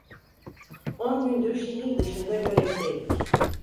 On gündür şehir dışında görevdeydik.